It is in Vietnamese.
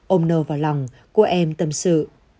ôm nâu vào lòng cô em tâm sự